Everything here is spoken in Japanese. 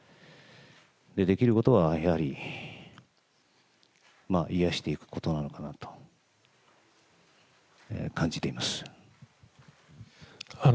できることはやはり、癒やしていくことなのかなと感じています。